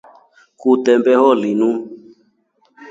Kutembeho linu.